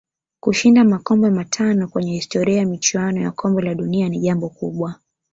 Kushinda makombe matano kwenye historia ya michuano ya kombe la dunia ni jambo kubwa